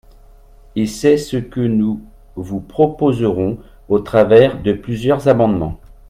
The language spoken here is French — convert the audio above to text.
Et c’est ce que nous vous proposerons au travers de plusieurs amendements.